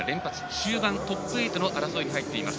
終盤、トップ８の争いに入っています。